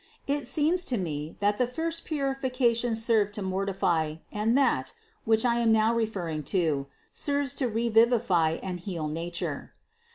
It seems to me that the first purifications serve to mortify, and that, which I am now referring to, serves to revivify and heal nature.